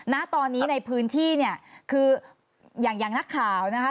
ณตอนนี้ในพื้นที่คืออย่างนักข่าวนะคะ